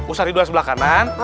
ustadz tentuan sebelah kanan